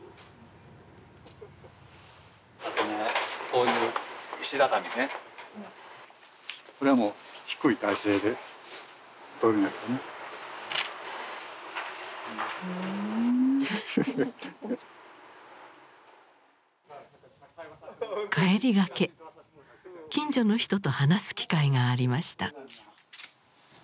帰りがけ近所の人と話す機会がありました。